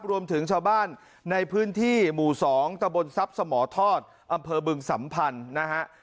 รวมถึงชาวบ้านในพื้นที่หมู่๒ตะบนทรัพย์สมทอดอำเภอบึงสัมพันธ์นะฮะ